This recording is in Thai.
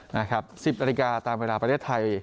๑๐นาฬิกาตามเวลาประเทศไทย